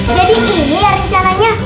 jadi inilah rencananya